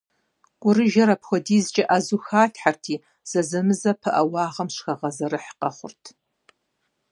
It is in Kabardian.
КӀурыжэр апхуэдизкӀэ Ӏэзэу халъхьэрти, зэзэмызэ пыӏэ уагъэм щыхагъэзэрыхь къэхъурт.